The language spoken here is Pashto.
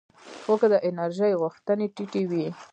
خو که د انرژۍ غوښتنې ټیټې وي